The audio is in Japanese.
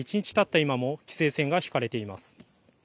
今も規制線が引かれています。